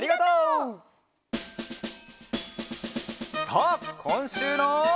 さあこんしゅうの。